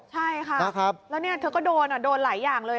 ใช่ค่ะแล้วเนี่ยเธอก็โดนโดนหลายอย่างเลย